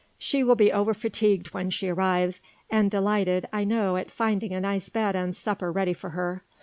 She will be over fatigued when she arrives, and delighted I know at finding a nice bed and supper ready for her.